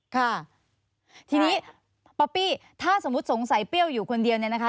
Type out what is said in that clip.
ค่ะทีนี้ป๊อปปี้ถ้าสมมุติสงสัยเปรี้ยวอยู่คนเดียวเนี่ยนะคะ